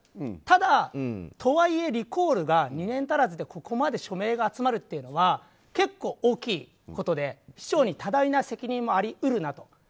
ただ、とはいえリコールが２年足らずでここまで署名が集まるというのは結構大きいことで市長に多大な責任もあり得るなと。